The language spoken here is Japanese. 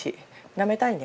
なめたいね